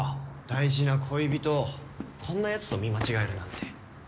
大事な恋人をこんなやつと見間違えるなんて。